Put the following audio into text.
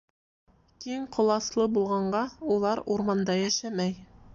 Киң ҡоласлы булғанға улар урманда йәшәмәй.